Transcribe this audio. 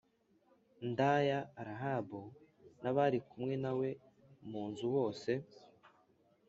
ndaya Rahabu n abari kumwe na we mu nzu bose